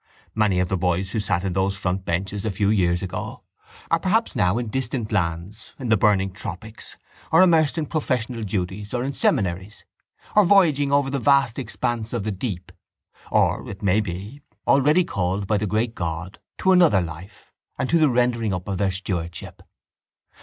Many of the boys who sat in those front benches a few years ago are perhaps now in distant lands, in the burning tropics or immersed in professional duties or in seminaries or voyaging over the vast expanse of the deep or, it may be, already called by the great God to another life and to the rendering up of their stewardship.